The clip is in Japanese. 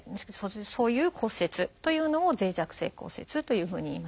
そういう骨折というのを脆弱性骨折というふうにいいます。